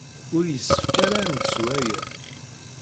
Ur yessefk ara ad nettu aya.